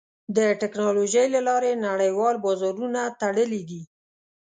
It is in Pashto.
د ټکنالوجۍ له لارې نړیوال بازارونه تړلي دي.